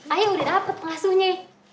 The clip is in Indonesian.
ayo udah dapet pengasuhnya